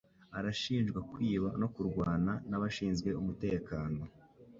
arashinjwa kwiba no kurwana nabashinzwe umutekano